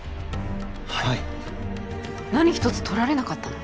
はい何ひとつとられなかったの？